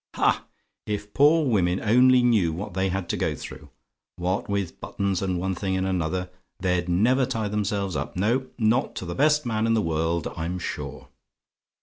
Ha! if poor women only knew what they had to go through. What with buttons, and one thing and another! They'd never tie themselves up, no, not to the best man in the world, I'm sure.